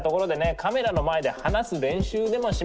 カメラの前で話す練習でもしますか！